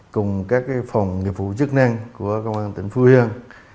cùng các phòng nghiệp vụ chức năng của công an tỉnh phú yên